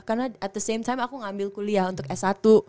karena at the same time aku ngambil kuliah untuk s satu